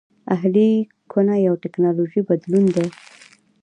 اهلي کونه یو ټکنالوژیکي بدلون دی